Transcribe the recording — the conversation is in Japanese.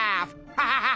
ハハハハ！